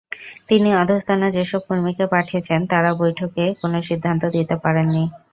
তিনি অধস্তন যেসব কর্মীকে পাঠিয়েছেন, তাঁরা বৈঠকে কোনো সিদ্ধান্ত দিতে পারেননি।